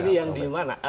ini yang dimana